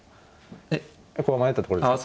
ここは迷ったところですか？